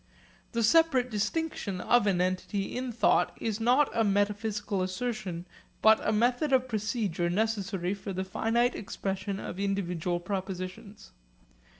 The separate distinction of an entity in thought is not a metaphysical assertion, but a method of procedure necessary for the finite expression of individual propositions.